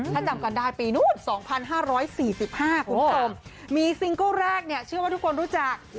ถ้าจำกันได้ปีนู้น๒๕๔๕คุณผู้ชมมีซิงเกิ้ลแรกเนี่ยเชื่อว่าทุกคนรู้จัก